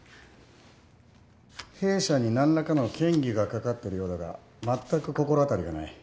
弊社に何らかの嫌疑がかかってるようだがまったく心当たりがない。